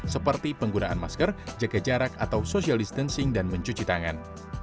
seperti penggunaan masker jaga jarak atau social distancing dan mencuci tangan